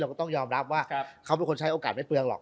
ก็ต้องยอมรับว่าเขาเป็นคนใช้โอกาสไม่เปลืองหรอก